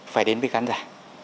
phải đến với khán giả